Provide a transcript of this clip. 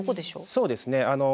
そうですね